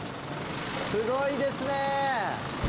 すごいですねー。